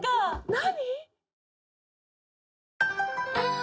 何？